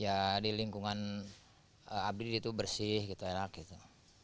ya di lingkungan abdi itu bersih gitu enak gitu